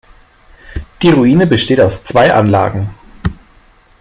Die Ruine besteht aus zwei Anlagen.